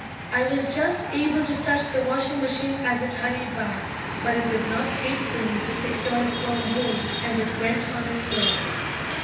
I was just able to touch the washing machine as it hurried by, but it did not wait for me to secure a firm hold, and it went on its way.